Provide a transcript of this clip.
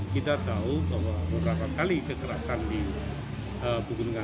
kita tahu bahwa beberapa kali kekerasan di pukul sembilan lima puluh